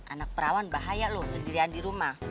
anak perawan bahaya loh sendirian di rumah